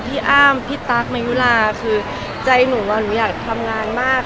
อ้ามพี่ตั๊กมายุลาคือใจหนูหนูอยากทำงานมาก